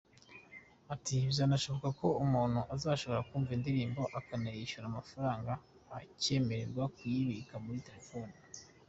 Ati “Bizanashoboka ko umuntu ashobora kumva indirimbo akanayishyura amafaranga akemererwa kuyibika muri telefone.